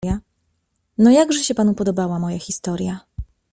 No, jakże się panu podobała moja historia?